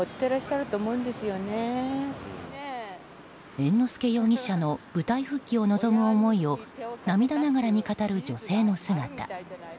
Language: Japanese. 猿之助容疑者の舞台復帰を望む思いを涙ながらに語る女性の姿。